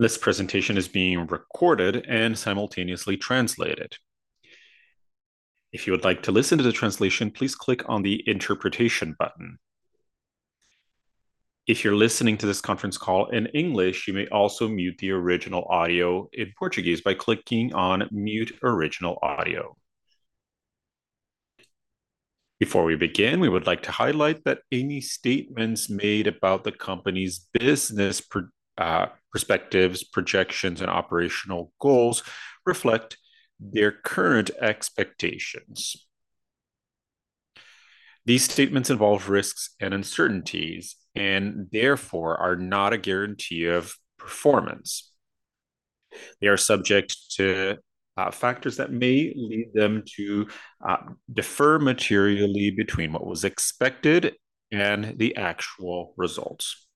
This presentation is being recorded and simultaneously translated. If you would like to listen to the translation, please click on the interpretation button. If you're listening to this conference call in English, you may also mute the original audio in Portuguese by clicking on Mute Original Audio. Before we begin, we would like to highlight that any statements made about the company's business perspectives, projections, and operational goals reflect their current expectations. These statements involve risks and uncertainties and therefore are not a guarantee of performance. They are subject to factors that may lead them to differ materially between what was expected and the actual results.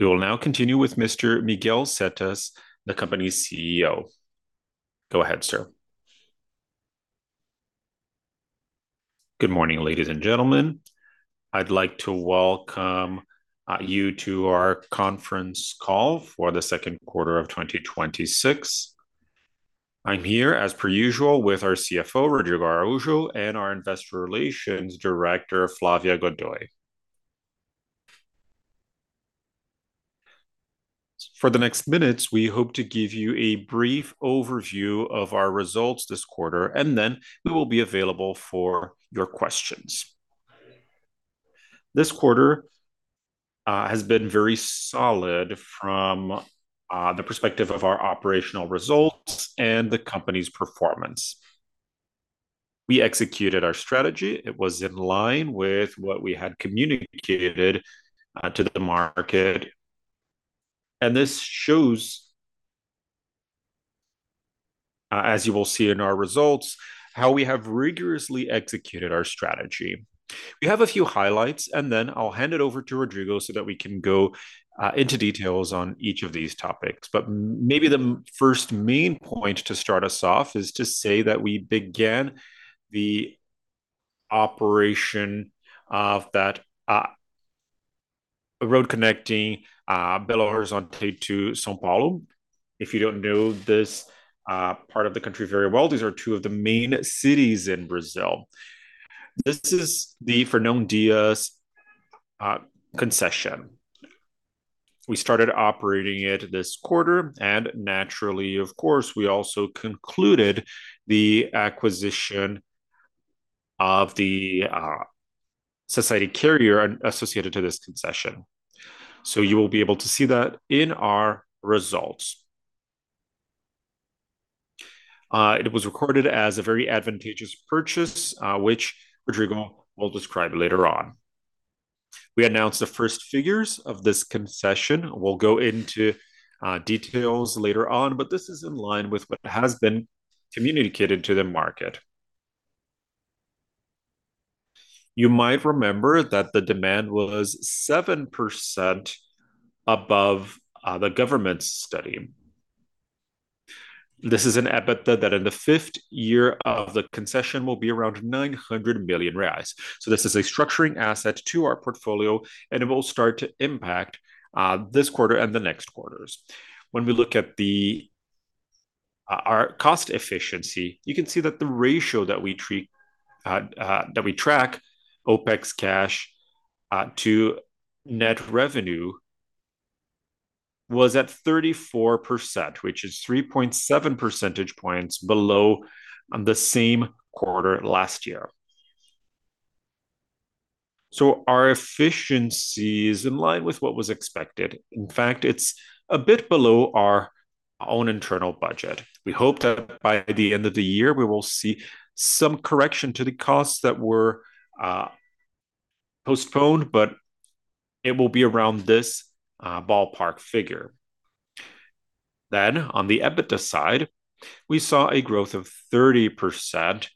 We will now continue with Mr. Miguel Setas, the company's CEO. Go ahead, sir. Good morning, ladies and gentlemen. I'd like to welcome you to our conference call for Q2 of 2026. I'm here, as per usual, with our CFO, Rodrigo Araújo, and our investor relations director, Flávia Godoy. For the next minutes, we hope to give you a brief overview of our results this quarter, and then we will be available for your questions. This quarter has been very solid from the perspective of our operational results and the company's performance. We executed our strategy. It was in line with what we had communicated to the market. This shows, as you will see in our results, how we have rigorously executed our strategy. We have a few highlights, and then I'll hand it over to Rodrigo so that we can go into details on each of these topics. Maybe the first main point to start us off is to say that we began the operation of that road connecting Belo Horizonte to São Paulo. If you don't know this part of the country very well, these are two of the main cities in Brazil. This is the Fernão Dias concession. We started operating it this quarter, and naturally, of course, we also concluded the acquisition of the society carrier associated to this concession. You will be able to see that in our results. It was recorded as a very advantageous purchase, which Rodrigo will describe later on. We announced the first figures of this concession. We'll go into details later on, but this is in line with what has been communicated to the market. You might remember that the demand was 7% above the government study. This is an EBITDA that in the fifth year of the concession will be around 900 million reais. This is a structuring asset to our portfolio, and it will start to impact this quarter and the next quarters. When we look at our cost efficiency, you can see that the ratio that we track, OpEx cash to net revenue, was at 34%, which is 3.7 percentage points below the same quarter last year. Our efficiency is in line with what was expected. In fact, it's a bit below our own internal budget. We hope that by the end of the year, we will see some correction to the costs that were postponed, but it will be around this ballpark figure. On the EBITDA side, we saw a growth of 30%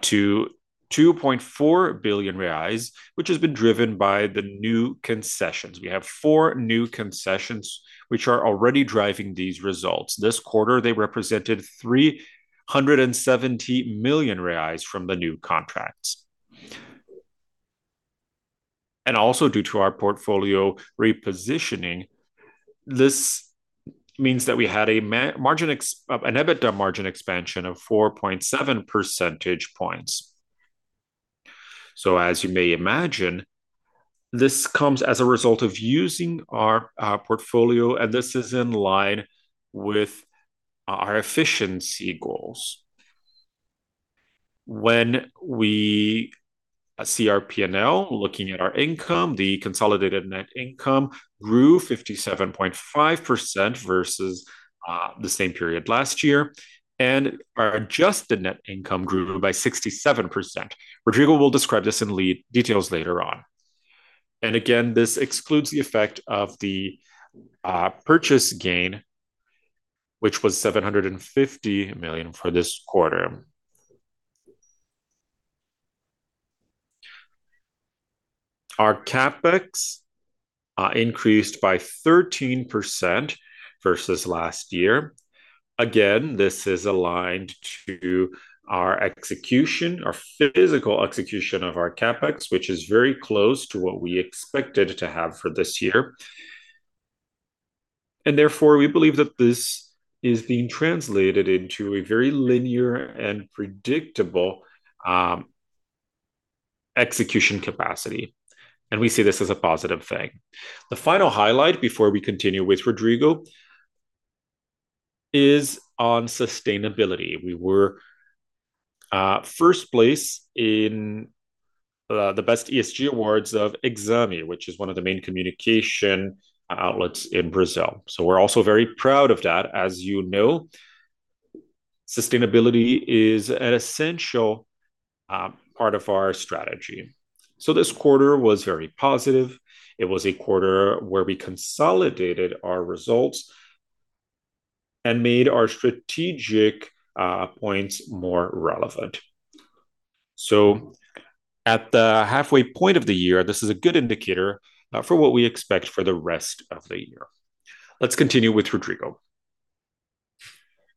to 2.4 billion reais, which has been driven by the new concessions. We have four new concessions, which are already driving these results. This quarter, they represented 370 million reais from the new contracts. Due to our portfolio repositioning, this means that we had an EBITDA margin expansion of 4.7 percentage points. As you may imagine, this comes as a result of using our portfolio, and this is in line with our efficiency goals. When we see our P&L, looking at our income, the consolidated net income grew 57.5% versus the same period last year, and our adjusted net income grew by 67%. Rodrigo will describe this in lead details later on. This excludes the effect of the purchase gain, which was 750 million for this quarter. Our CapEx increased by 13% versus last year. This is aligned to our execution, our physical execution of our CapEx, which is very close to what we expected to have for this year. Therefore, we believe that this is being translated into a very linear and predictable execution capacity, and we see this as a positive thing. The final highlight before we continue with Rodrigo is on sustainability. We were first place in the best ESG awards of Exame, which is one of the main communication outlets in Brazil. We're also very proud of that. As you know, sustainability is an essential part of our strategy. This quarter was very positive. It was a quarter where we consolidated our results and made our strategic points more relevant. At the halfway point of the year, this is a good indicator for what we expect for the rest of the year. Let's continue with Rodrigo.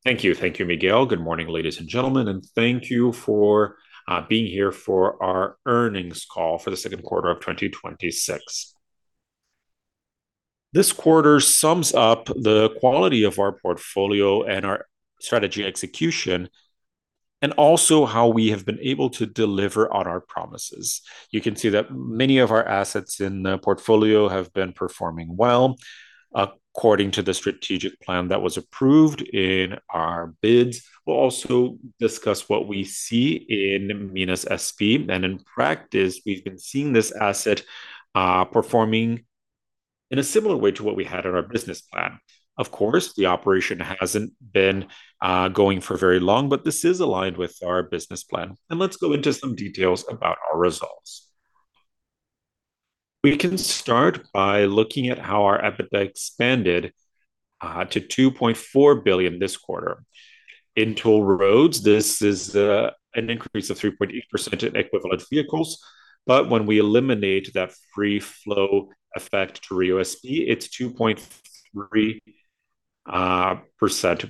Thank you, Miguel. Good morning, ladies and gentlemen, and thank you for being here for our earnings call for Q2 of 2026. This quarter sums up the quality of our portfolio and our strategy execution, and also how we have been able to deliver on our promises. You can see that many of our assets in the portfolio have been performing well according to the strategic plan that was approved in our bids. We'll also discuss what we see in Minas_SP. In practice, we've been seeing this asset performing in a similar way to what we had in our business plan. Of course, the operation hasn't been going for very long, but this is aligned with our business plan. Let's go into some details about our results. We can start by looking at how our EBITDA expanded to 2.4 billion this quarter. In toll roads, this is an increase of 3.8% in equivalent vehicles. When we eliminate that Free Flow effect to RioSP, it's 2.3%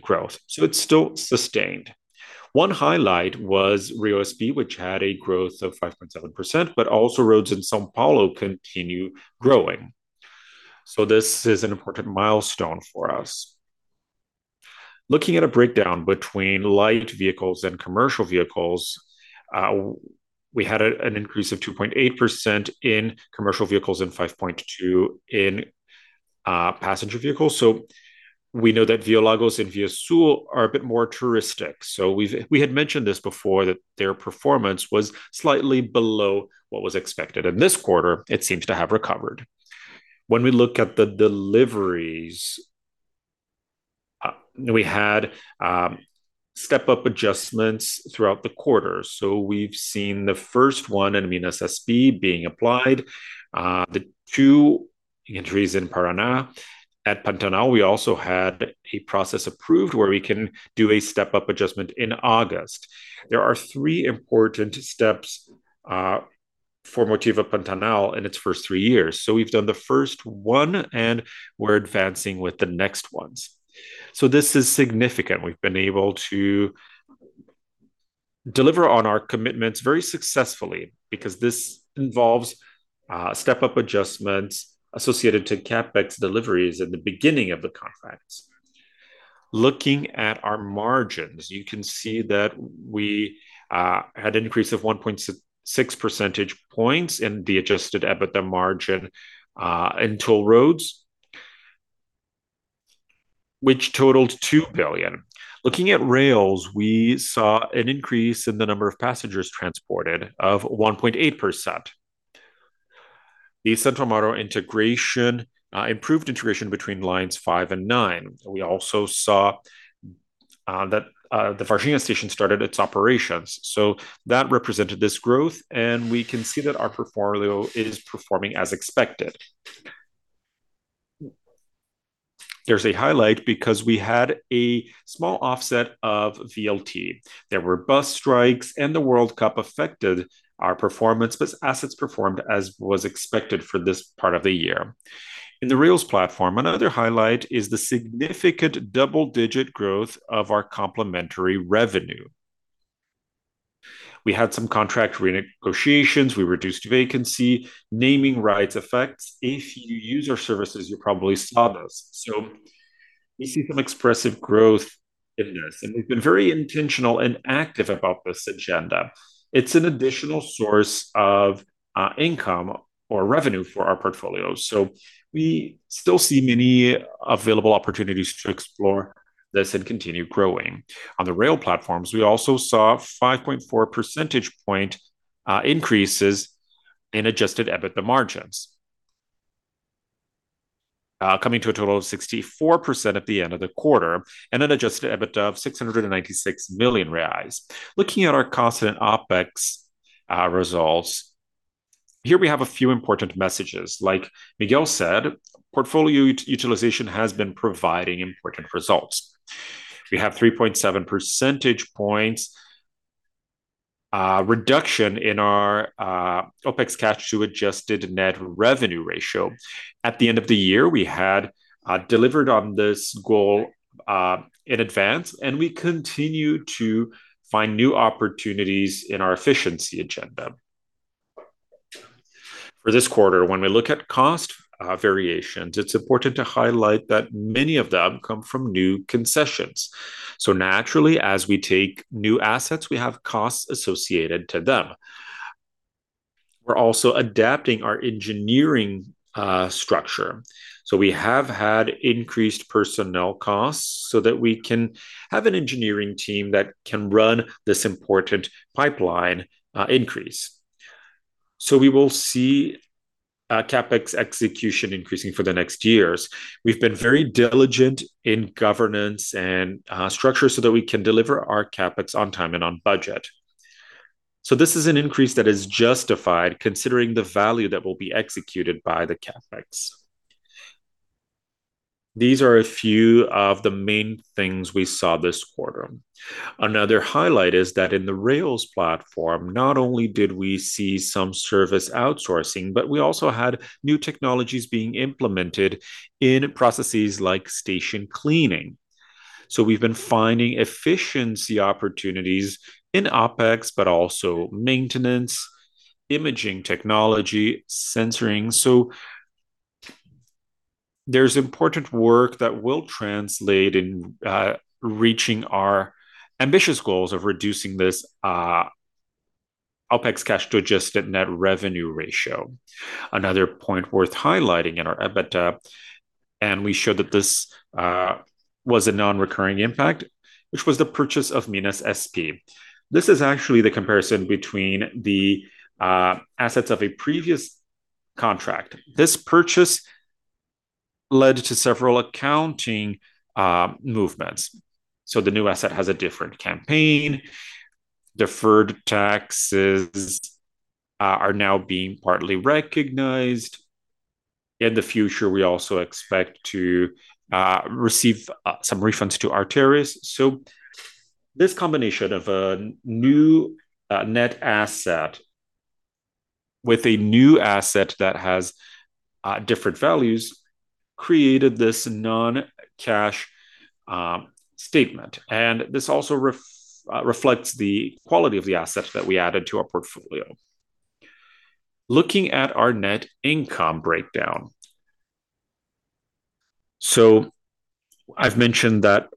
growth, it's still sustained. One highlight was RioSP, which had a growth of 5.7%, also roads in São Paulo continue growing. This is an important milestone for us. Looking at a breakdown between light vehicles and commercial vehicles, we had an increase of 2.8% in commercial vehicles and 5.2% in passenger vehicles. We know that ViaLagos and ViaSul are a bit more touristic. We had mentioned this before, that their performance was slightly below what was expected. In this quarter, it seems to have recovered. When we look at the deliveries, we had step-up adjustments throughout the quarter. We've seen the first one in Minas_SP being applied. The two entries in Paraná at Pantanal, we also had a process approved where we can do a step-up adjustment in August. There are three important steps for Motiva Pantanal in its first three years. We've done the first one, and we're advancing with the next ones. This is significant. We've been able to deliver on our commitments very successfully because this involves step-up adjustments associated to CapEx deliveries at the beginning of the contracts. Looking at our margins, you can see that we had an increase of 1.6 percentage points in the adjusted EBITDA margin in toll roads, which totaled 2 billion. Looking at rails, we saw an increase in the number of passengers transported of 1.8%. The Centro-Sul integration, improved integration between Lines 5 and 9. We also saw that the Varginha station started its operations, that represented this growth, and we can see that our portfolio is performing as expected. There's a highlight because we had a small offset of VLT. There were bus strikes, and the World Cup affected our performance, but assets performed as was expected for this part of the year. In the rails platform, another highlight is the significant double-digit growth of our complementary revenue. We had some contract renegotiations. We reduced vacancy, naming rights effects. If you use our services, you probably saw this. We see some expressive growth in this, and we've been very intentional and active about this agenda. It's an additional source of income or revenue for our portfolio, we still see many available opportunities to explore this and continue growing. On the rail platforms, we also saw 5.4 percentage point increases in adjusted EBITDA margins, coming to a total of 64% at the end of the quarter and an adjusted EBITDA of 696 million reais. Looking at our constant OpEx results, here we have a few important messages. Like Miguel said, portfolio utilization has been providing important results. We have 3.7 percentage points reduction in our OpEx cash to adjusted net revenue ratio. At the end of the year, we had delivered on this goal in advance, and we continue to find new opportunities in our efficiency agenda. For this quarter, when we look at cost variations, it's important to highlight that many of them come from new concessions. Naturally, as we take new assets, we have costs associated to them. We're also adapting our engineering structure. We have had increased personnel costs so that we can have an engineering team that can run this important pipeline increase. We will see CapEx execution increasing for the next years. We've been very diligent in governance and structure so that we can deliver our CapEx on time and on budget. This is an increase that is justified considering the value that will be executed by the CapEx. These are a few of the main things we saw this quarter. Another highlight is that in the rails platform, not only did we see some service outsourcing, but we also had new technologies being implemented in processes like station cleaning. We've been finding efficiency opportunities in OpEx, but also maintenance, imaging technology, sensoring. There's important work that will translate in reaching our ambitious goals of reducing this OpEx cash to adjusted net revenue ratio. Another point worth highlighting in our EBITDA, we showed that this was a non-recurring impact, which was the purchase of Minas_SP. This is actually the comparison between the assets of a previous contract. This purchase led to several accounting movements. The new asset has a different campaign, deferred taxes are now being partly recognized. In the future, we also expect to receive some refunds to Arteris. This combination of a new net asset with a new asset that has different values created this non-cash statement, and this also reflects the quality of the assets that we added to our portfolio. Looking at our net income breakdown. I've mentioned that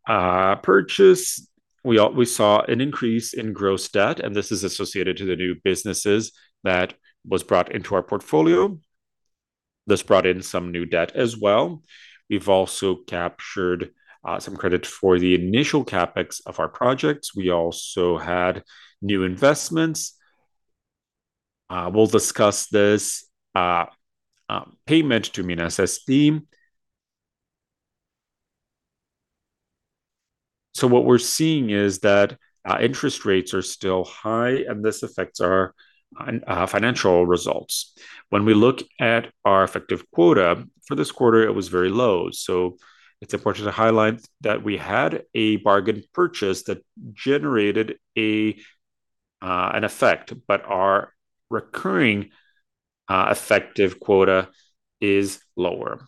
purchase, we saw an increase in gross debt, and this is associated to the new businesses that was brought into our portfolio. This brought in some new debt as well. We've also captured some credit for the initial CapEx of our projects. We also had new investments. We'll discuss this payment to Minas_SP. What we're seeing is that interest rates are still high, and this affects our financial results. When we look at our effective quota, for this quarter, it was very low. It's important to highlight that we had a bargain purchase that generated an effect, but our recurring effective quota is lower.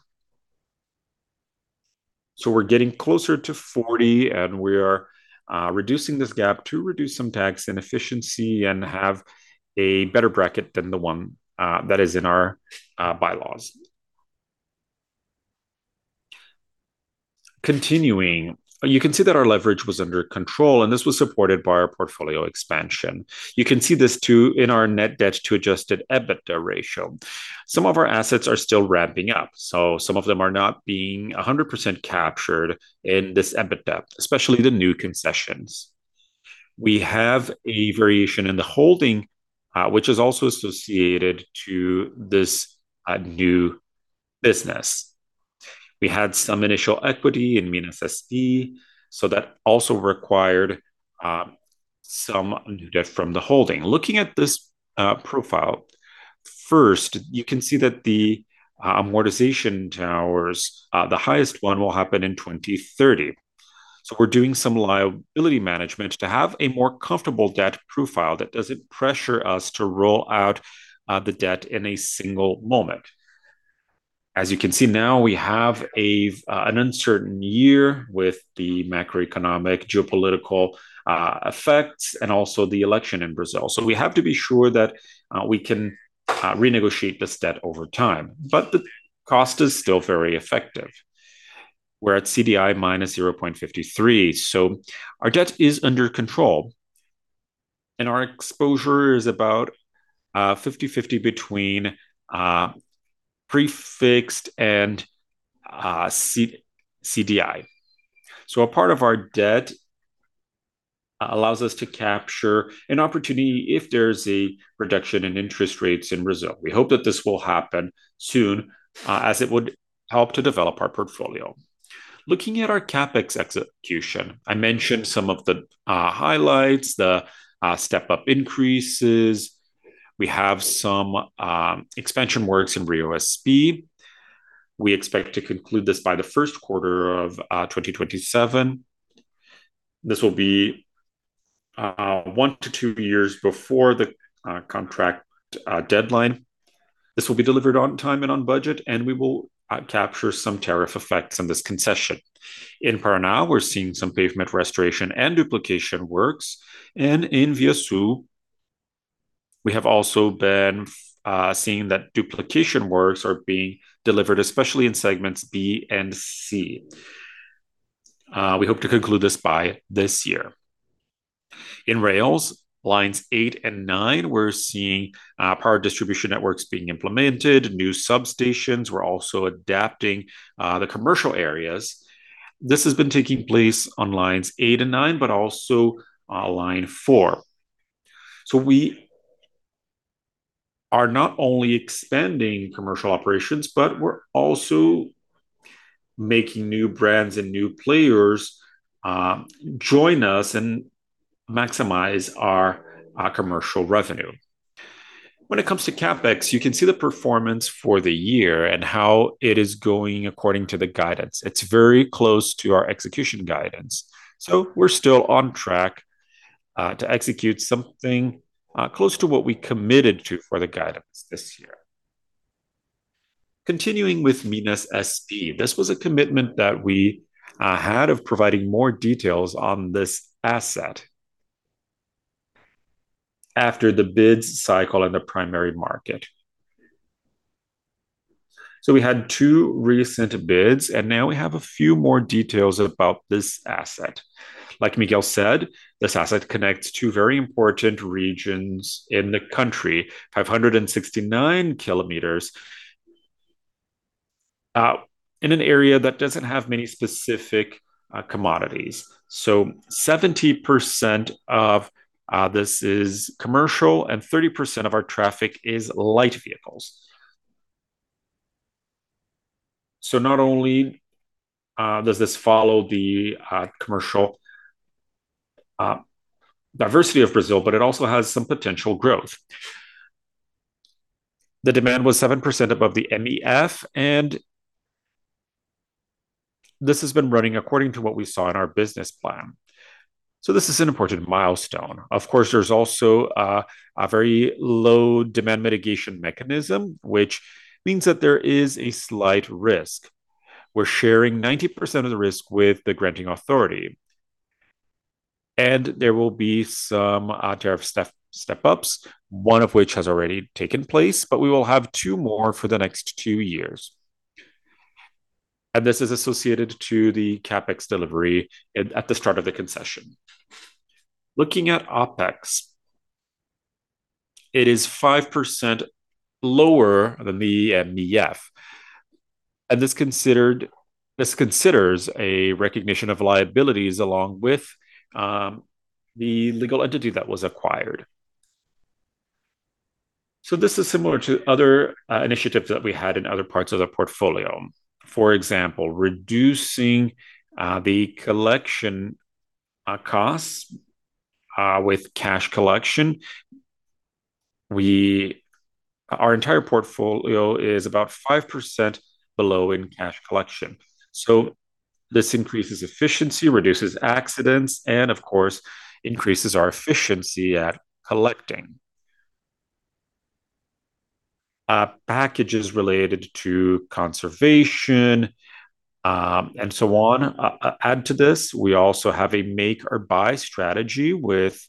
We're getting closer to 40, and we are reducing this gap to reduce some tax inefficiency and have a better bracket than the one that is in our bylaws. Continuing, you can see that our leverage was under control, and this was supported by our portfolio expansion. You can see this, too, in our net debt to adjusted EBITDA ratio. Some of our assets are still ramping up, some of them are not being 100% captured in this EBITDA, especially the new concessions. We have a variation in the holding, which is also associated to this new business. We had some initial equity in Minas_SP, that also required some new debt from the holding. Looking at this profile, first, you can see that the amortization towers, the highest one will happen in 2030. We're doing some liability management to have a more comfortable debt profile that doesn't pressure us to roll out the debt in a single moment. You can see now, we have an uncertain year with the macroeconomic geopolitical effects and also the election in Brazil. We have to be sure that we can renegotiate this debt over time, but the cost is still very effective. We're at CDI minus 0.53, our debt is under control, and our exposure is about 50/50 between prefixed and CDI. A part of our debt allows us to capture an opportunity if there's a reduction in interest rates in Brazil. We hope that this will happen soon, as it would help to develop our portfolio. Looking at our CapEx execution, I mentioned some of the highlights, the step-up increases. We have some expansion works in RioSP. We expect to conclude this by Q1 of 2027. This will be one to two years before the contract deadline. This will be delivered on time and on budget, and we will capture some tariff effects on this concession. In Paraná, we're seeing some pavement restoration and duplication works. In ViaSul We have also been seeing that duplication works are being delivered, especially in segments B and C. We hope to conclude this by this year. In rails, Lines 8 and 9, we're seeing power distribution networks being implemented, new substations. We're also adapting the commercial areas. This has been taking place on Lines 8 and 9, but also on Line 4. We are not only expanding commercial operations, but we're also making new brands and new players join us and maximize our commercial revenue. When it comes to CapEx, you can see the performance for the year and how it is going according to the guidance. It's very close to our execution guidance. We're still on track to execute something close to what we committed to for the guidance this year. Continuing with Minas_SP, this was a commitment that we had of providing more details on this asset after the bids cycle in the primary market. We had two recent bids, and now we have a few more details about this asset. Like Miguel said, this asset connects two very important regions in the country, 569 km, in an area that doesn't have many specific commodities. 70% of this is commercial and 30% of our traffic is light vehicles. Not only does this follow the commercial diversity of Brazil, but it also has some potential growth. The demand was 7% above the MEF, and this has been running according to what we saw in our business plan. This is an important milestone. Of course, there's also a very low-demand mitigation mechanism, which means that there is a slight risk. We're sharing 90% of the risk with the granting authority. There will be some tariff step-ups, one of which has already taken place, but we will have two more for the next two years. This is associated to the CapEx delivery at the start of the concession. Looking at OpEx, it is 5% lower than the MEF, and this considers a recognition of liabilities along with the legal entity that was acquired. This is similar to other initiatives that we had in other parts of the portfolio. For example, reducing the collection costs with cash collection. Our entire portfolio is about 5% below in cash collection. This increases efficiency, reduces accidents, and of course, increases our efficiency at collecting. Packages related to conservation, and so on, add to this. We also have a make-or-buy strategy with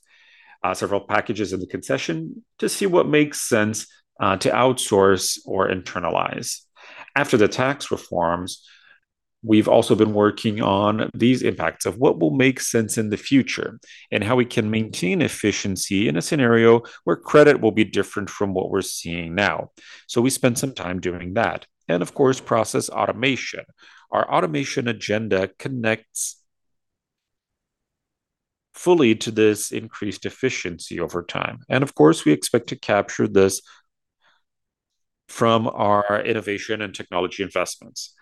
several packages in the concession to see what makes sense to outsource or internalize. After the tax reforms, we've also been working on these impacts of what will make sense in the future and how we can maintain efficiency in a scenario where credit will be different from what we're seeing now. We spent some time doing that. Of course, process automation. Our automation agenda connects fully to this increased efficiency over time. Of course, we expect to capture this from our innovation and technology investments.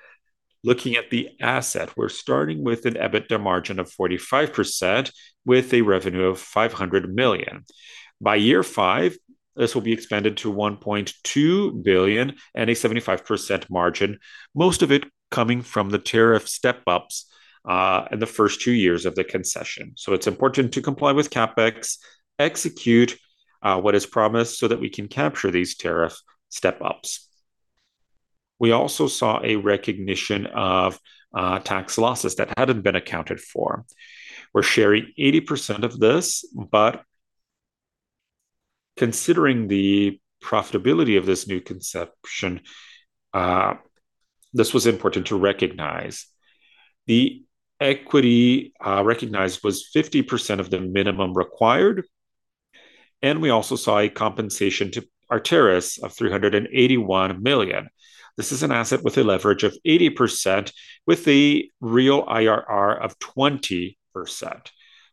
Looking at the asset, we're starting with an EBITDA margin of 45% with a revenue of 500 million. By year 5, this will be expanded to 1.2 billion and a 75% margin, most of it coming from the tariff step-ups in the first two years of the concession. It's important to comply with CapEx, execute what is promised so that we can capture these tariff step-ups. We also saw a recognition of tax losses that hadn't been accounted for. We're sharing 80% of this, but considering the profitability of this new concession, this was important to recognize. The equity recognized was 50% of the minimum required, and we also saw a compensation to Arteris of 381 million. This is an asset with a leverage of 80% with the real IRR of 20%.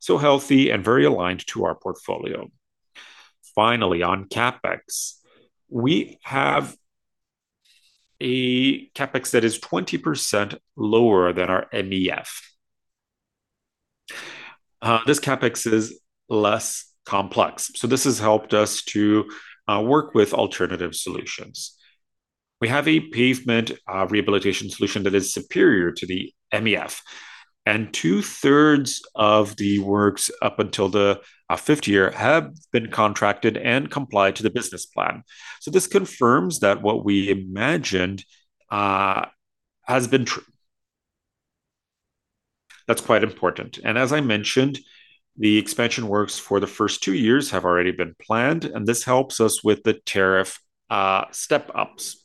Healthy and very aligned to our portfolio. Finally, on CapEx, we have a CapEx that is 20% lower than our MEF. This CapEx is less complex. This has helped us to work with alternative solutions. We have a pavement rehabilitation solution that is superior to the MEF, and two-thirds of the works up until the fifth year have been contracted and comply to the business plan. This confirms that what we imagined has been. That's quite important. As I mentioned, the expansion works for the first two years have already been planned, and this helps us with the tariff step-ups.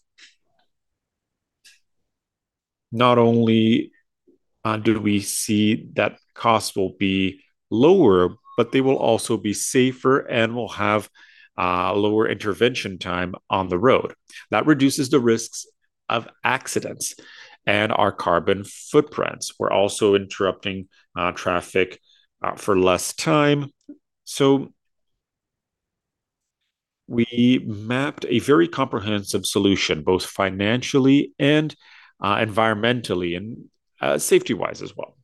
Not only do we see that costs will be lower, but they will also be safer and will have lower intervention time on the road. That reduces the risks of accidents and our carbon footprints. We're also interrupting traffic for less time. We mapped a very comprehensive solution, both financially and environmentally, and safety-wise as well.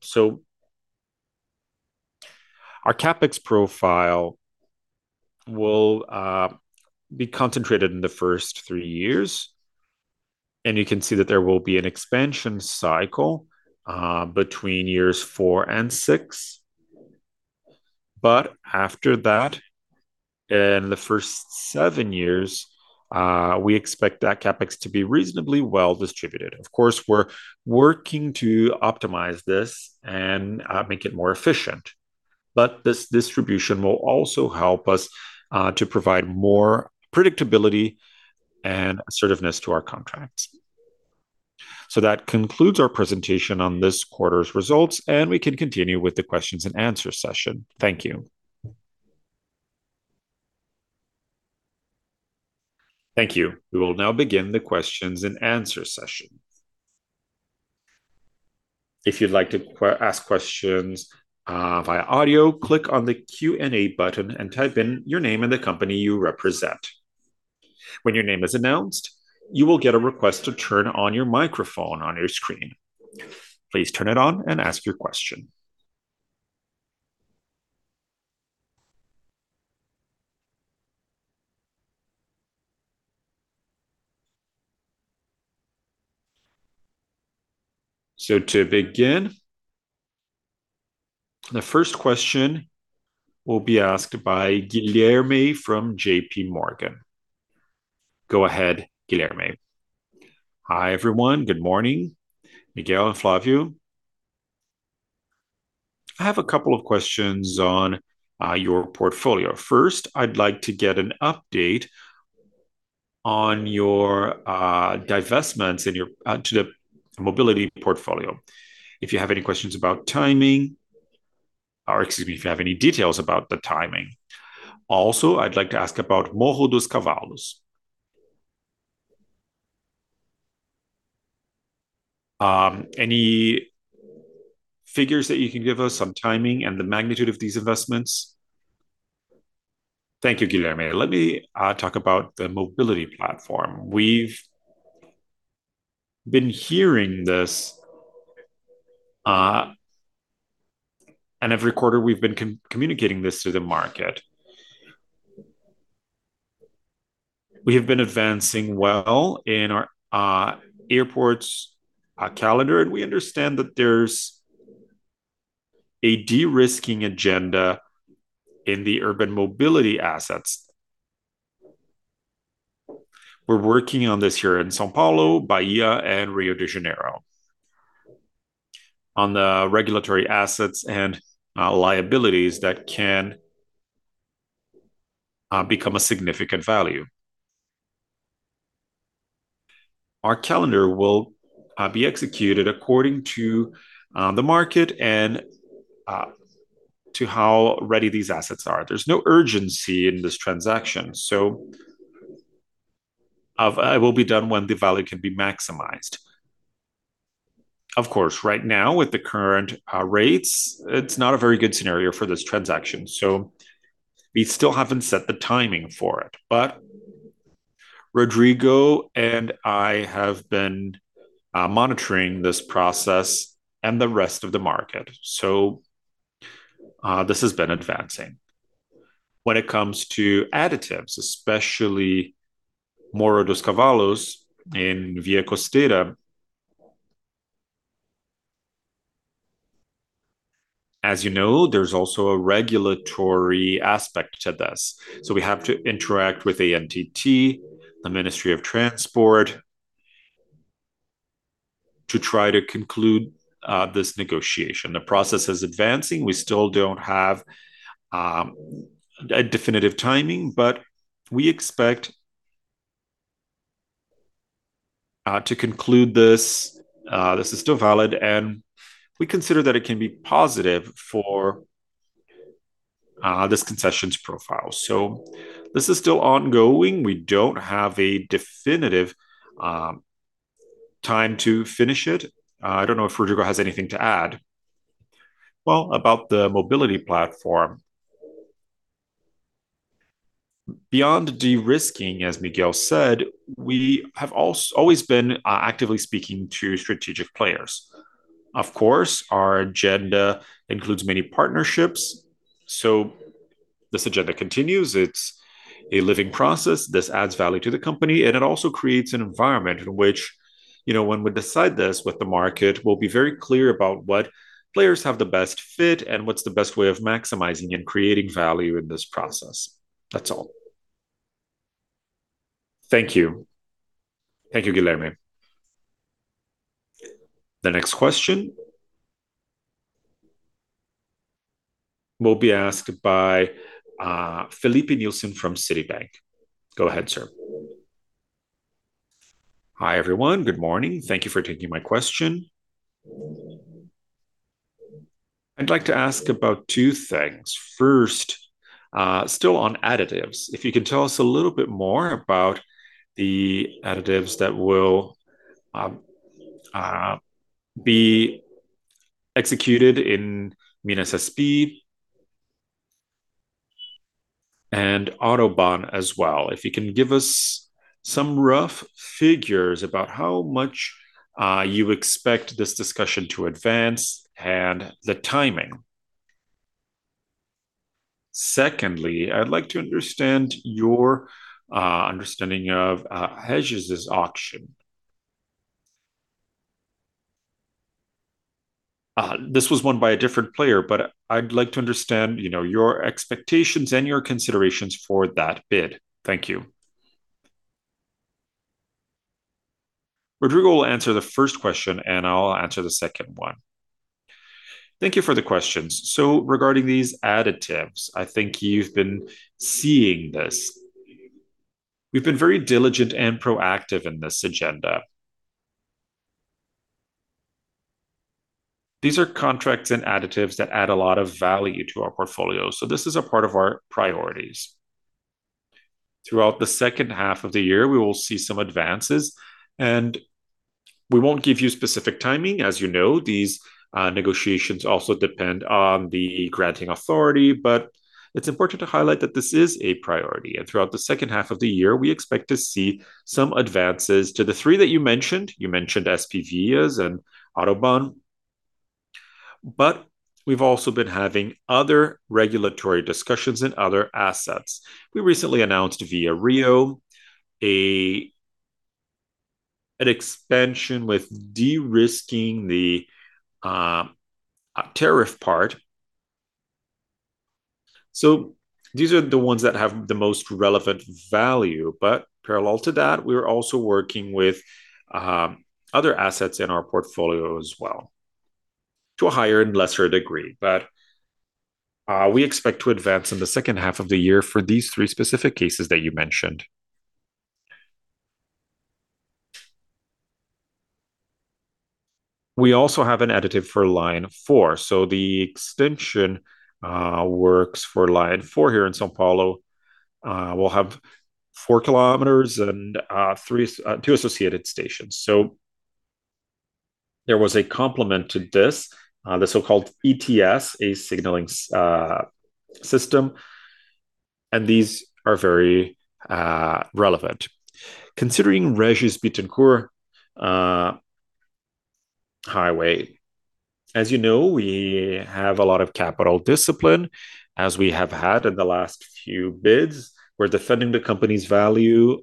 Our CapEx profile will be concentrated in the first three years, and you can see that there will be an expansion cycle between years four and six. After that, in the first seven years, we expect that CapEx to be reasonably well distributed. Of course, we're working to optimize this and make it more efficient. This distribution will also help us to provide more predictability and assertiveness to our contracts. That concludes our presentation on this quarter's results, and we can continue with the question-and-answer session. Thank you. Thank you. We will now begin the question-and-answer session. If you'd like to ask questions via audio, click on the Q&A button and type in your name and the company you represent. When your name is announced, you will get a request to turn on your microphone on your screen. Please turn it on and ask your question. To begin, the first question will be asked by Guilherme from JPMorgan. Go ahead, Guilherme. Hi, everyone. Good morning, Miguel and Flávia. I have a couple of questions on your portfolio. First, I'd like to get an update on your divestments to the mobility portfolio. If you have any details about the timing. Also, I'd like to ask about Morro dos Cavalos. Any figures that you can give us, some timing and the magnitude of these investments? Thank you, Guilherme. Let me talk about the mobility platform. We've been hearing this, and every quarter we've been communicating this to the market. We have been advancing well in our airports calendar, and we understand that there's a de-risking agenda in the urban mobility assets. We're working on this here in São Paulo, Bahia, and Rio de Janeiro on the regulatory assets and liabilities that can become a significant value. Our calendar will be executed according to the market and to how ready these assets are. There's no urgency in this transaction, so it will be done when the value can be maximized. Right now, with the current rates, it's not a very good scenario for this transaction, so we still haven't set the timing for it. Rodrigo and I have been monitoring this process and the rest of the market, so this has been advancing. When it comes to additives, especially Morro dos Cavalos in Via Costeira, as you know, there's also a regulatory aspect to this. We have to interact with ANTT, the Ministry of Transport, to try to conclude this negotiation. The process is advancing. We still don't have a definitive timing, but we expect to conclude this. This is still valid, and we consider that it can be positive for this concessions profile. This is still ongoing. We don't have a definitive time to finish it. I don't know if Rodrigo has anything to add. About the mobility platform. Beyond de-risking, as Miguel said, we have always been actively speaking to strategic players. Our agenda includes many partnerships, so this agenda continues. It's a living process. This adds value to the company, and it also creates an environment in which when we decide this with the market, we'll be very clear about what players have the best fit and what's the best way of maximizing and creating value in this process. That's all. Thank you, Guilherme. The next question will be asked by Felipe Nilsson from Citibank. Go ahead, sir. Hi, everyone. Good morning. Thank you for taking my question. I'd like to ask about two things. First, still on additives, if you can tell us a little bit more about the additives that will be executed in Minas_SP and Autoban as well. If you can give us some rough figures about how much you expect this discussion to advance and the timing. Secondly, I'd like to understand your understanding of Régis' auction. This was won by a different player, but I'd like to understand your expectations and your considerations for that bid. Thank you. Rodrigo will answer the first question, and I'll answer the second one. Thank you for the questions. Regarding these additives, I think you've been seeing this. We've been very diligent and proactive in this agenda. These are contracts and additives that add a lot of value to our portfolio. This is a part of our priorities. Throughout the second half of the year, we will see some advances, and we won't give you specific timing. As you know, these negotiations also depend on the granting authority, but it's important to highlight that this is a priority. Throughout the second half of the year, we expect to see some advances to the three that you mentioned. You mentioned SPVias and Autoban, but we've also been having other regulatory discussions in other assets. We recently announced ViaRio an expansion with de-risking the tariff part. These are the ones that have the most relevant value. Parallel to that, we're also working with other assets in our portfolio as well to a higher and lesser degree. We expect to advance in the second half of the year for these three specific cases that you mentioned. We also have an additive for Line 4. The extension works for Line 4 here in São Paulo. We'll have 4 kilometers and two associated stations. There was a complement to this, the so-called ETCS, a signaling system, and these are very relevant. Considering Régis Bittencourt Highway, as you know, we have a lot of capital discipline, as we have had in the last few bids. We're defending the company's value.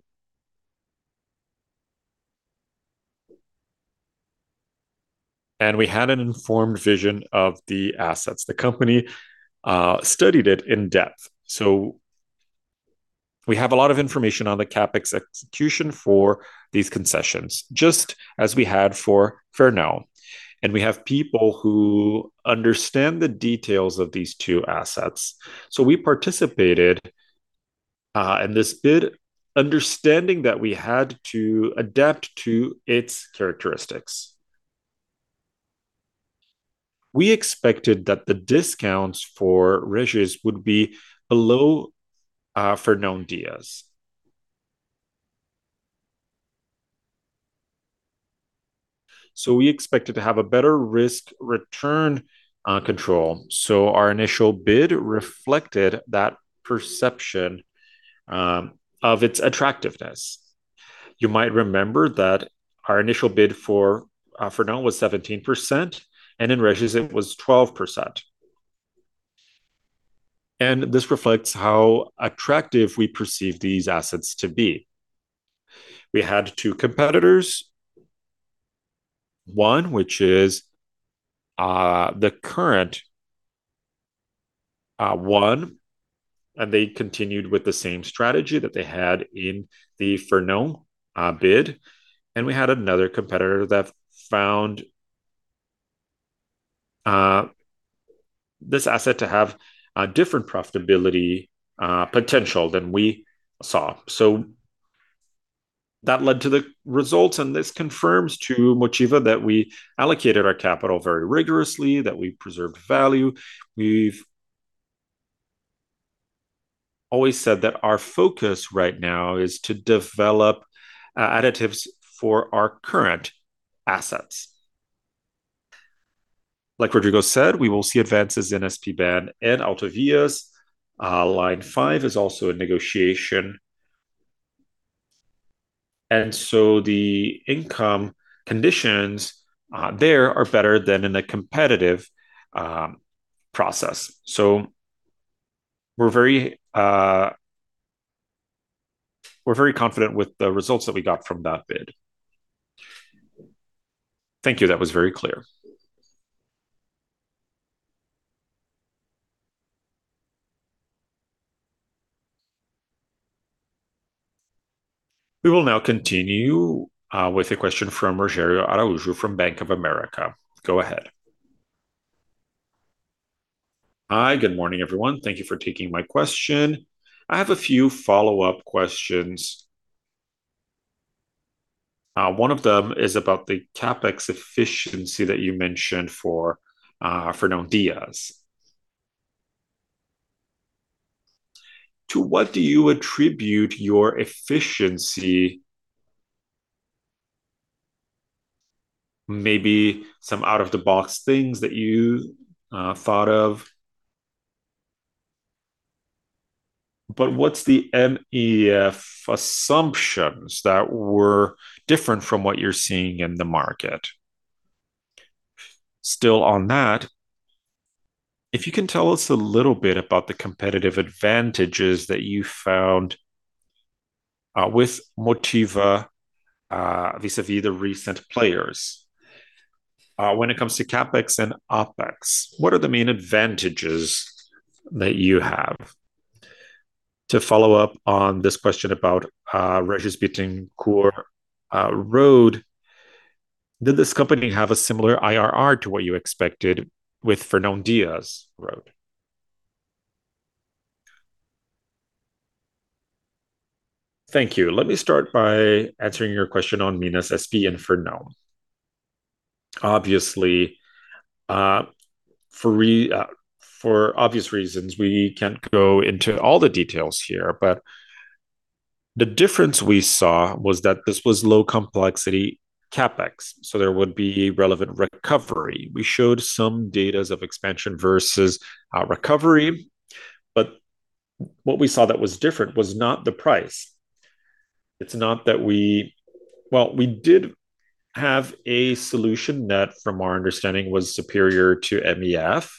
We had an informed vision of the assets. The company studied it in depth. We have a lot of information on the CapEx execution for these concessions, just as we had for Fernão. We have people who understand the details of these two assets. We participated in this bid understanding that we had to adapt to its characteristics. We expected that the discounts for Régis would be below Fernão Dias. We expected to have a better risk-return control. Our initial bid reflected that perception of its attractiveness. You might remember that our initial bid for Fernão was 17%, and in Régis, it was 12%. This reflects how attractive we perceive these assets to be. We had two competitors, one, which is the current one. They continued with the same strategy that they had in the Fernão bid. We had another competitor that found this asset to have a different profitability potential than we saw. That led to the results. This confirms to Motiva that we allocated our capital very rigorously, that we preserved value. We've always said that our focus right now is to develop additives for our current assets. Like Rodrigo Araújo said, we will see advances in SPVias and Autovias. Line 5 Lilac is also a negotiation. The income conditions there are better than in a competitive process. We're very confident with the results that we got from that bid. Thank you. That was very clear. We will now continue with a question from Rogerio Araujo from Bank of America. Go ahead. Hi. Good morning, everyone. Thank you for taking my question. I have a few follow-up questions. One of them is about the CapEx efficiency that you mentioned for Fernão Dias. To what do you attribute your efficiency? Maybe some out-of-the-box things that you thought of. What's the MEF assumptions that were different from what you're seeing in the market? Still on that, if you can tell us a little bit about the competitive advantages that you found with Motiva, vis-a-vis the recent players. When it comes to CapEx and OpEx, what are the main advantages that you have? To follow up on this question about Régis Bittencourt Highway, did this company have a similar IRR to what you expected with Fernão Dias highway? Thank you. Let me start by answering your question on Minas_SP and Fernão. For obvious reasons, we can't go into all the details here. The difference we saw was that this was low complexity CapEx. There would be relevant recovery. We showed some data of expansion versus recovery. What we saw that was different was not the price. We did have a solution that, from our understanding, was superior to MEF.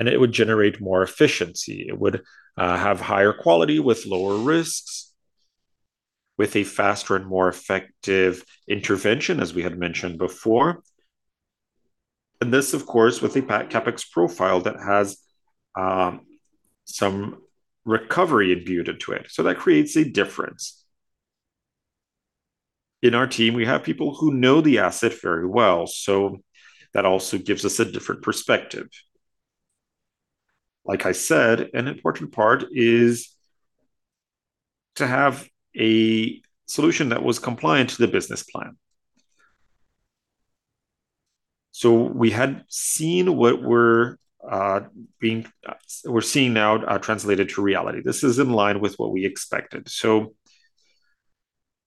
It would generate more efficiency. It would have higher quality with lower risks, with a faster and more effective intervention, as we had mentioned before. This, of course, with a CapEx profile that has some recovery imbued into it. That creates a difference. In our team, we have people who know the asset very well, so that also gives us a different perspective. Like I said, an important part is to have a solution that was compliant to the business plan. This is in line with what we expected. So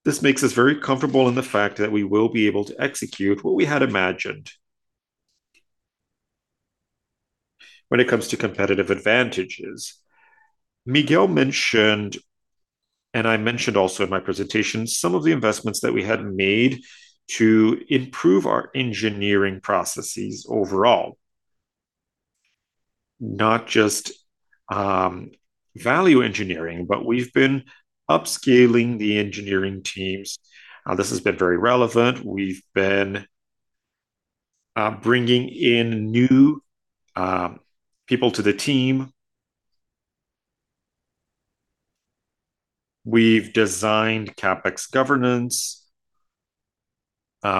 this makes us very comfortable in the fact that we will be able to execute what we had imagined. When it comes to competitive advantages, Miguel mentioned, and I mentioned also in my presentation, some of the investments that we had made to improve our engineering processes overall, not just value engineering, but we've been upscaling the engineering teams. This has been very relevant. We've been bringing in new people to the team. We've designed CapEx governance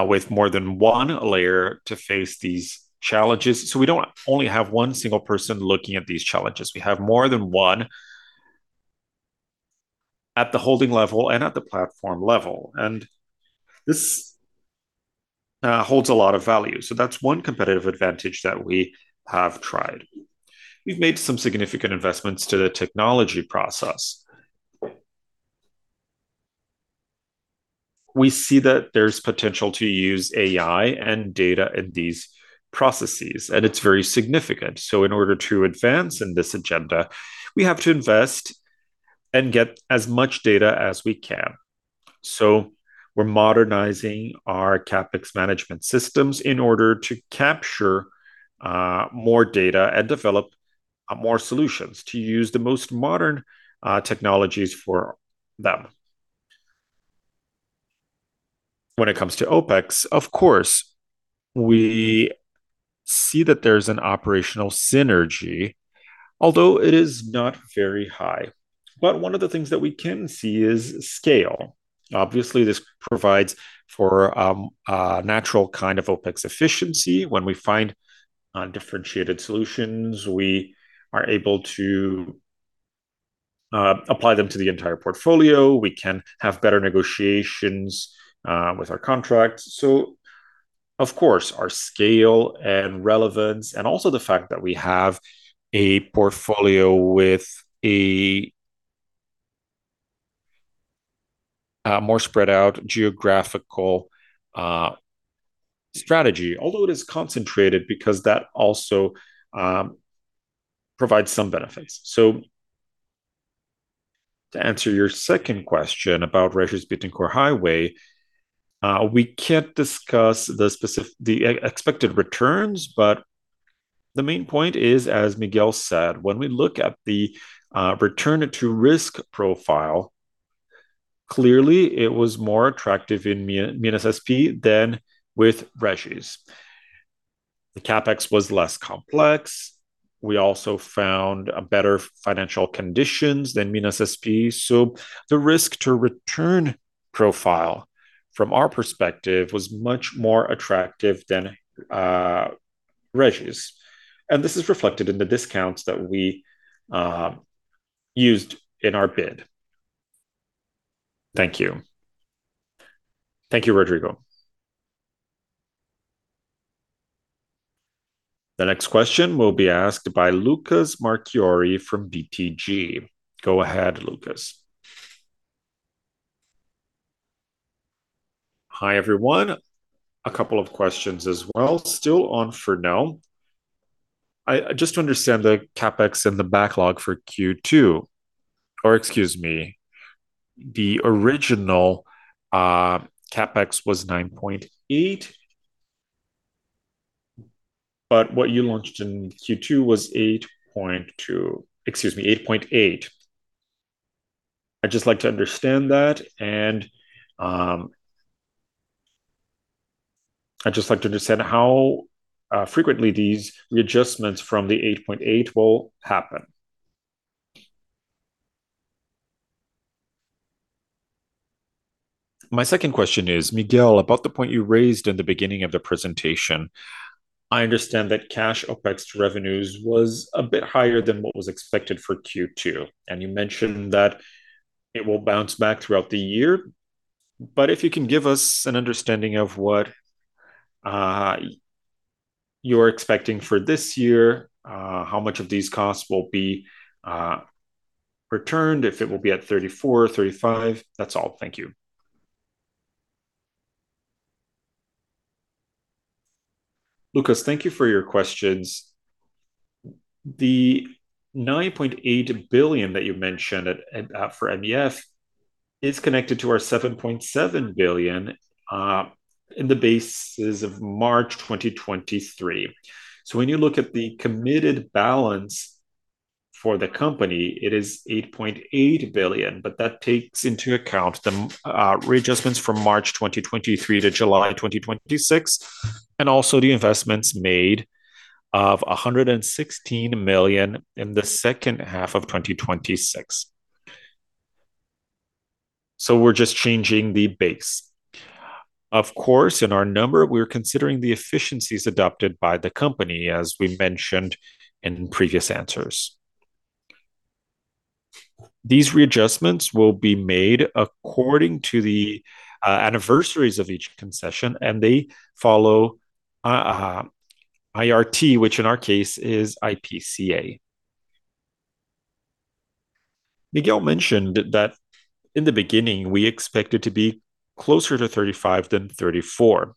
with more than one layer to face these challenges. We don't only have one single person looking at these challenges. We have more than one at the holding level and at the platform level, and this holds a lot of value. That's one competitive advantage that we have tried. We've made some significant investments to the technology process. We see that there's potential to use AI and data in these processes, and it's very significant. In order to advance in this agenda, we have to invest and get as much data as we can. We're modernizing our CapEx management systems in order to capture more data and develop more solutions to use the most modern technologies for them. When it comes to OpEx, of course, we see that there's an operational synergy, although it is not very high. But one of the things that we can see is scale. Obviously, this provides for a natural kind of OpEx efficiency. When we find differentiated solutions, we are able to apply them to the entire portfolio. We can have better negotiations with our contracts. Of course, our scale and relevance, and also the fact that we have a portfolio with a more spread out geographical strategy, although it is concentrated because that also provides some benefits. To answer your second question about Régis Bittencourt Highway, we can't discuss the expected returns, but the main point is, as Miguel said, when we look at the return-to-risk profile. Clearly, it was more attractive in Minas_SP than with Régis. The CapEx was less complex. We also found better financial conditions than Minas_SP. The risk-to-return profile from our perspective was much more attractive than Régis, and this is reflected in the discounts that we used in our bid. Thank you. Thank you, Rodrigo. The next question will be asked by Lucas Marchiori from BTG. Go ahead, Lucas. Hi, everyone. A couple of questions as well. Still on Fernão Dias. Just to understand the CapEx and the backlog for Q2, or excuse me, the original CapEx was 9.8, but what you launched in Q2 was 8.2, excuse me, 8.8. I'd just like to understand that, and I'd just like to understand how frequently these readjustments from the 8.8 will happen. My second question is, Miguel, about the point you raised in the beginning of the presentation. I understand that cash OpEx to revenues was a bit higher than what was expected for Q2, and you mentioned that it will bounce back throughout the year. If you can give us an understanding of what you're expecting for this year, how much of these costs will be returned, if it will be at 34 or 35. That's all. Thank you. Lucas, thank you for your questions. The 9.8 billion that you mentioned for MEF is connected to our 7.7 billion in the bases of March 2023. When you look at the committed balance for the company, it is 8.8 billion, but that takes into account the readjustments from March 2023 to July 2026, and also the investments made of 116 million in H2 of 2026. We're just changing the base. Of course, in our number, we're considering the efficiencies adopted by the company as we mentioned in previous answers. These readjustments will be made according to the anniversaries of each concession, and they follow IRT, which in our case is IPCA. Miguel mentioned that in the beginning, we expected to be closer to 35 than 34.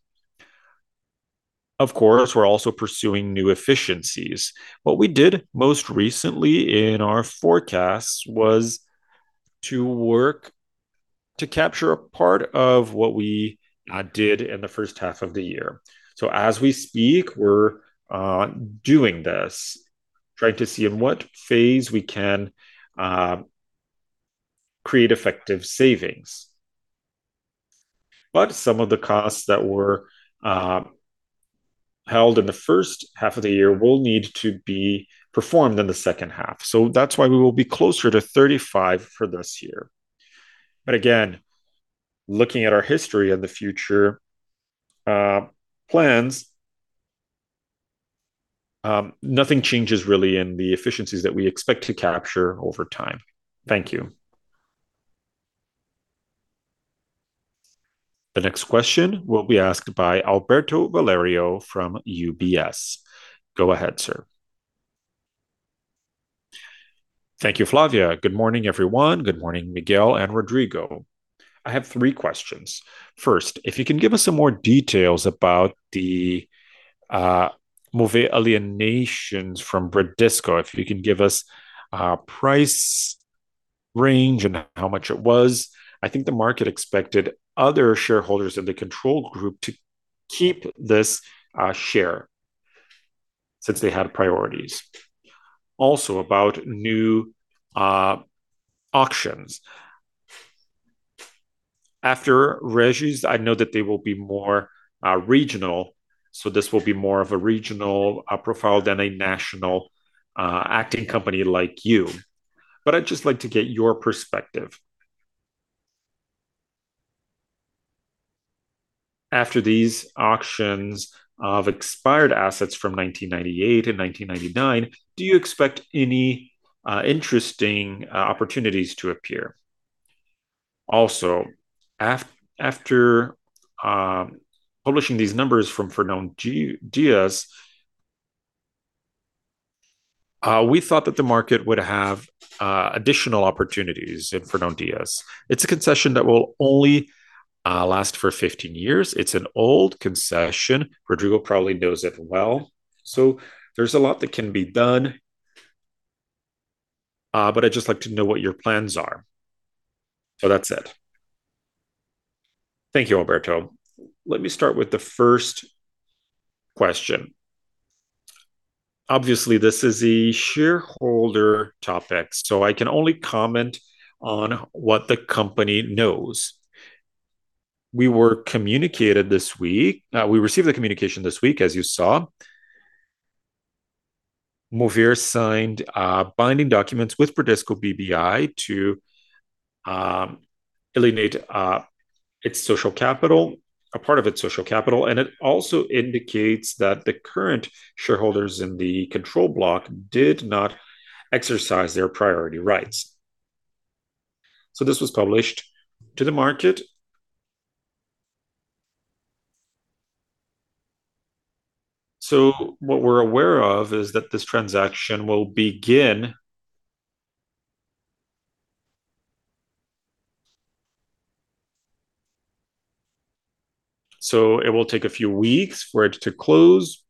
Of course, we're also pursuing new efficiencies. What we did most recently in our forecasts was to work to capture a part of what we did in H1 of the year. As we speak, we're doing this, trying to see in what phase we can create effective savings. Some of the costs that were held in H1 of the year will need to be performed in H2. That's why we will be closer to 35 for this year. Again, looking at our history and the future plans, nothing changes really in the efficiencies that we expect to capture over time. Thank you. The next question will be asked by Alberto Valerio from UBS. Go ahead, sir. Thank you, Flávia. Good morning, everyone. Good morning, Miguel and Rodrigo. I have three questions. First, if you can give us some more details about the Mover alienations from Bradesco, if you can give us a price range and how much it was. I think the market expected other shareholders in the control group to keep this share since they had priorities. Also, about new auctions. After Régis, I know that they will be more regional, so this will be more of a regional profile than a national acting company like you. I'd just like to get your perspective. After these auctions of expired assets from 1998 and 1999, do you expect any interesting opportunities to appear? Also, after publishing these numbers from Fernão Dias, we thought that the market would have additional opportunities in Fernão Dias. It's a concession that will only last for 15 years. It's an old concession. Rodrigo probably knows it well. There's a lot that can be done, I'd just like to know what your plans are. That's it. Thank you, Alberto. Let me start with the first question. Obviously, this is a shareholder topic, so I can only comment on what the company knows. We received the communication this week, as you saw. Mover signed binding documents with Bradesco BBI to alienate a part of its social capital, and it also indicates that the current shareholders in the control block did not exercise their priority rights. This was published to the market. What we're aware of is that this transaction will begin. It will take a few weeks for it to close.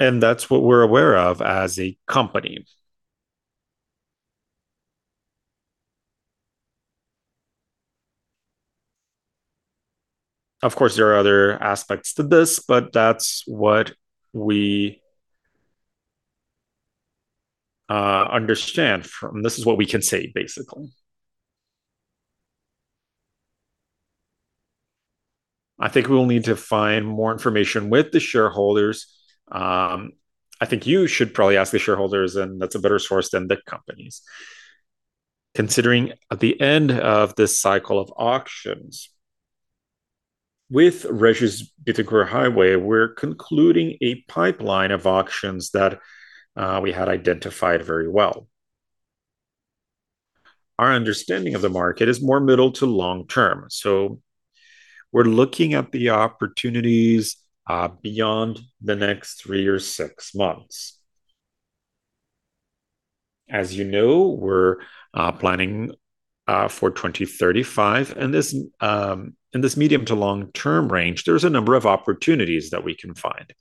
That's what we're aware of as a company. Of course, there are other aspects to this, but that's what we understand. This is what we can say, basically. I think we will need to find more information with the shareholders. I think you should probably ask the shareholders, and that's a better source than the companies. Considering at the end of this cycle of auctions, with Régis Bittencourt Highway, we're concluding a pipeline of auctions that we had identified very well. Our understanding of the market is more middle to long term. We're looking at the opportunities beyond the next three or six months. As you know, we're planning for 2035, and in this medium to long term range, there's a number of opportunities that we can find.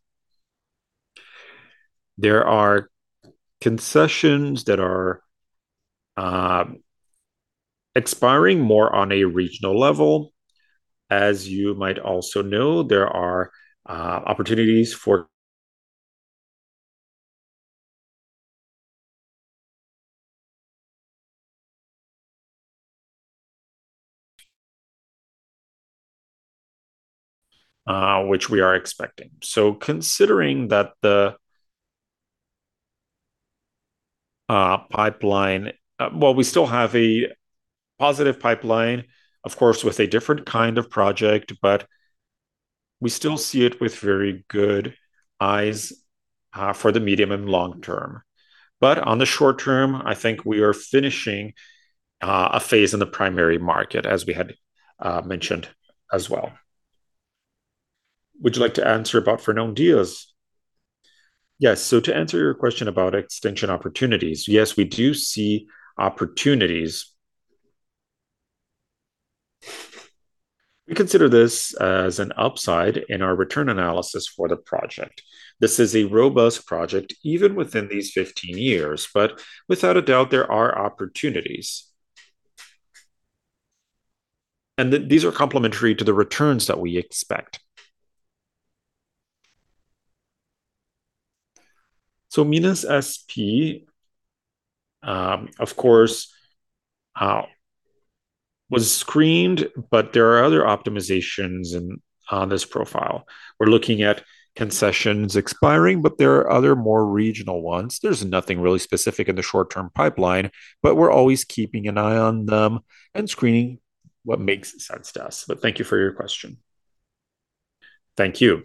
There are concessions that are expiring more on a regional level. As you might also know, there are opportunities for which we are expecting. Considering that the pipeline, well, we still have a positive pipeline, of course, with a different kind of project, but we still see it with very good eyes for the medium and long term. On the short term, I think we are finishing a phase in the primary market, as we had mentioned as well. Would you like to answer about Fernão Dias? Yes. To answer your question about extension opportunities, yes, we do see opportunities. We consider this as an upside in our return analysis for the project. This is a robust project, even within these 15 years, but without a doubt, there are opportunities. These are complementary to the returns that we expect. Minas SP, of course, was screened, but there are other optimizations on this profile. We're looking at concessions expiring, but there are other more regional ones. There's nothing really specific in the short-term pipeline, we're always keeping an eye on them and screening what makes sense to us. Thank you for your question. Thank you.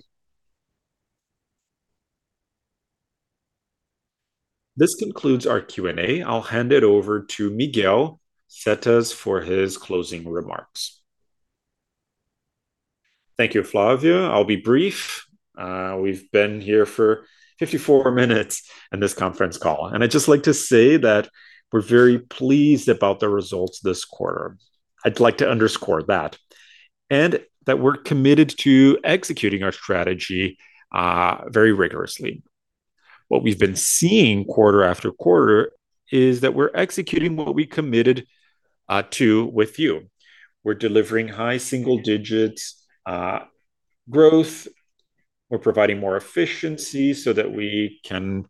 This concludes our Q&A. I'll hand it over to Miguel Setas for his closing remarks. Thank you, Flávia. I'll be brief. We've been here for 54 minutes in this conference call, and I'd just like to say that we're very pleased about the results this quarter. I'd like to underscore that, and that we're committed to executing our strategy very rigorously. What we've been seeing quarter after quarter is that we're executing what we committed to with you. We're delivering high single-digit growth. We're providing more efficiency that we can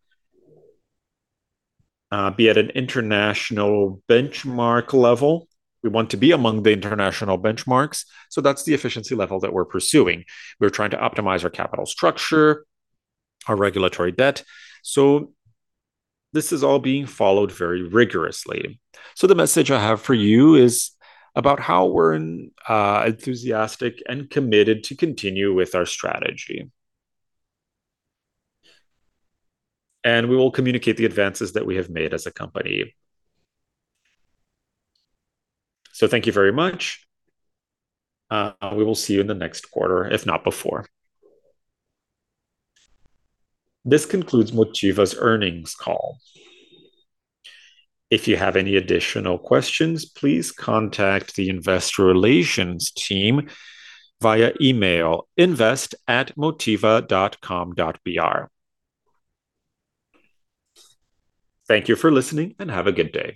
be at an international benchmark level. We want to be among the international benchmarks, that's the efficiency level that we're pursuing. We're trying to optimize our capital structure, our regulatory debt. This is all being followed very rigorously. The message I have for you is about how we're enthusiastic and committed to continue with our strategy. We will communicate the advances that we have made as a company. Thank you very much. We will see you in the next quarter, if not before. This concludes Motiva's earnings call. If you have any additional questions, please contact the investor relations team via email, invest@grupoccr.com.br. Thank you for listening, and have a good day.